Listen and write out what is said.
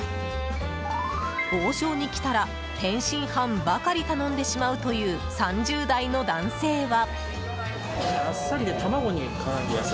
王将に来たら天津飯ばかり頼んでしまうという３０代の男性は。